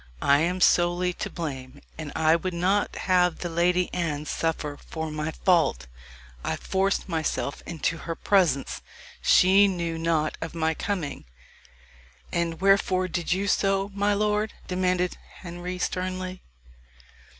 "I am solely to blame, and I would not have the Lady Anne suffer for my fault. I forced myself into her presence. She knew not of my coming." "And wherefore did you so, my lord?" demanded Henry sternly.